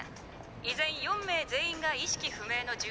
依然４名全員が意識不明の重体で」。